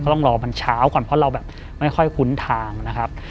ต้องรอมันเช้าก่อนเพราะเราแบบไม่ค่อยคุ้นทางนะครับ